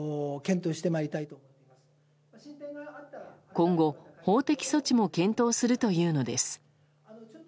今後、法的措置も検討するというのです。